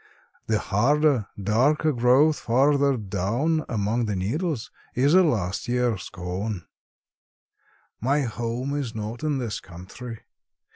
The harder, darker growth farther down among the needles is a last year's cone. "My home is not in this country.